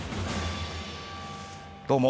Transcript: どうも。